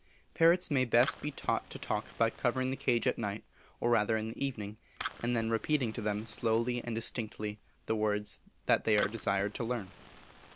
Parrots may best be taught to talk by covering the cage at night, or rather in the evening, and then repeating to them slowly and distinctly, the words they are desired to learn.